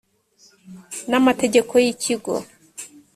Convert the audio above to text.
n amategeko y ikigo